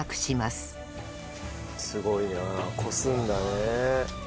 すごいなこすんだね。